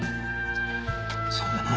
そうだな。